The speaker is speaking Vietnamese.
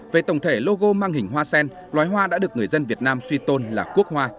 về tổng thể logo mang hình hoa sen loài hoa đã được người dân việt nam suy tôn là quốc hoa